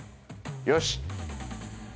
よし。